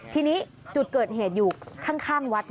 ทีนี้จุดเกิดเหตุอยู่ข้างวัด